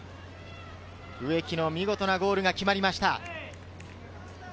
植木の見事なゴールが決まりました。